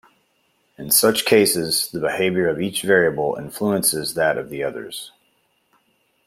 In such cases, the behavior of each variable influences that of the others.